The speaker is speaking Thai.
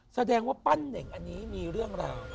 แสดงว่าปั้นเน่งอันนี้มีเรื่องราว